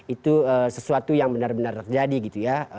itu sesuatu yang benar benar terjadi gitu ya